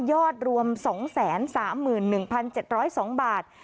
ยอดรวม๒๓๑๗๐๒บาท